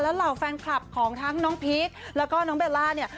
เหล่าแฟนคลับของทั้งน้องพีคแล้วก็น้องเบลล่าเนี่ย